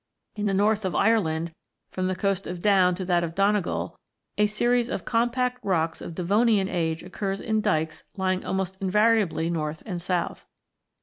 In the north of Ireland, from the coast of Down to that of Donegal, a series of compact rocks of Devonian age occurs in dykes lying almost invariably north and south.